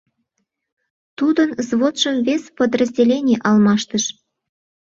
Тудын взводшым вес подразделений алмаштыш.